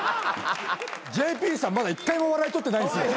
ＪＰさんまだ一回も笑い取ってないんですよ。